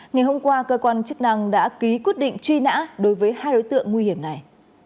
ngày hôm qua cơ quan chức năng đã ký quyết định truy nã đối với hai đối tượng nguy hiểm này